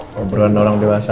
ngobrolan orang dewasa